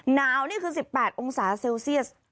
นี่คือ๑๘องศาเซลเซียส